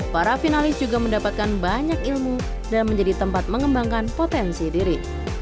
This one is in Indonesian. para finalis juga mendapatkan banyak ilmu dan menjadi tempat mengembangkan potensi diri